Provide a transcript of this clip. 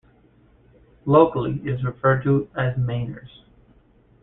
Locally, it is referred to as "Mainers".